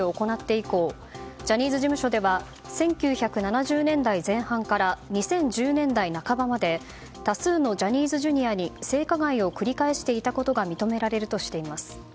以降ジャニーズ事務所では１９７０年代前半から２０１０年代半ばまで多数のジャニーズＪｒ．に性加害を繰り返していたことが認められるとしています。